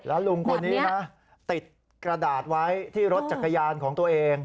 แล้วลุงคนนี้นะติดกระดาษไว้ที่รถจักรยานของตัวเอง